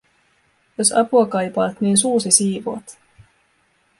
- Jos apua kaipaat, niin suusi siivoat.